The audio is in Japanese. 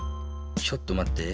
ちょっとまって。